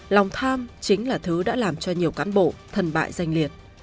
lòng tham chính là thứ đã làm cho nhiều cán bộ thân bại danh liệt